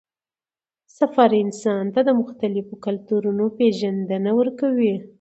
سفر انسان ته د مختلفو کلتورونو پېژندنه ورکوي